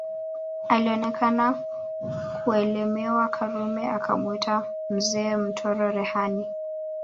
Alionekana kuelemewa Karume akamwita Mzee Mtoro Rehani